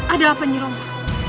ada apa nyuruhmu